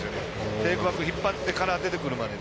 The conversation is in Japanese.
テイクバック引っ張ってから出てくるまでに。